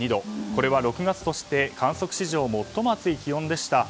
これは６月として観測史上最も暑い気温でした。